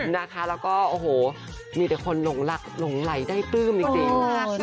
แล้วก็โอ้โหมีแต่คนหลงไหลได้ปลื้มจริง